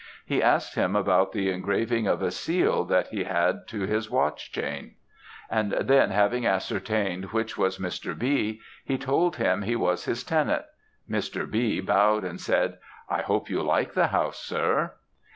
He asked about the engraving of a seal that he had to his watch chain; and then, having ascertained which was Mr. B., he told him he was his tenant. Mr. B. bowed and said, 'I hope you like the house, sir.'